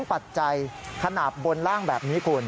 ปัจจัยขนาดบนล่างแบบนี้คุณ